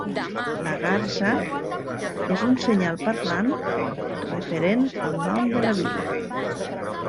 La garsa és un senyal parlant referent al nom de la vila.